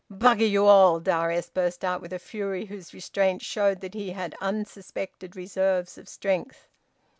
"Bugger you all!" Darius burst out with a fury whose restraint showed that he had unsuspected reserves of strength.